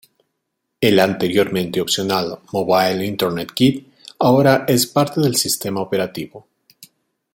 El anteriormente opcional Mobile Internet Kit ahora es parte del sistema operativo.